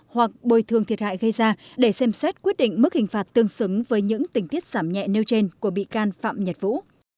hoặc bồi thương thiệt hại gây ra để xem xét quyết định mức hình phạt tương xứng với những tình tiết giảm nhẹ nêu trên của bị can phạm nhật vũ